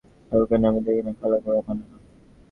কাউকে নামতে দেবে না, কালা-গোরা মানে না।